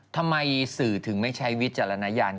ทำไมสื่อถึงไม่ใช้วิจารณญาณ